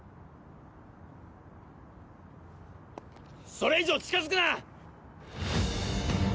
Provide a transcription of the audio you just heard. それ以上近づくな！